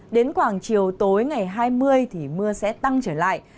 đến khoảng chiều tối ngày hai mươi thì mưa sẽ tăng trở lại